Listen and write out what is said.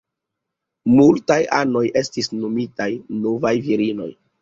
Multaj anoj estis nomitaj "Novaj Virinoj".